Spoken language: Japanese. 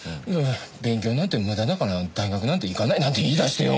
「勉強なんて無駄だから大学なんて行かない」なんて言い出してよ。